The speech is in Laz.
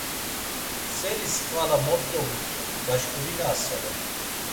Seris xvala mot dogutur, gaşǩurinasere.